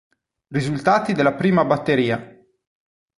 Risultati della prima batteria.